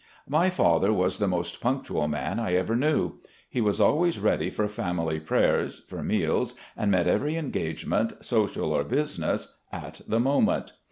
My father was the most punctual man I ever knew. He was always ready for family prayers, for meals, and met every engagement, social or business, at the moment.